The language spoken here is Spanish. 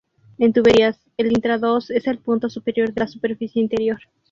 En tuberías, el intradós es el punto superior de la superficie interior.